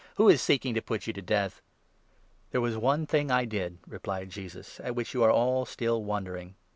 20 " Who is seeking to put you to death ?"" There was one thing I did," replied Jesus, " at which you 21 are all still wondering.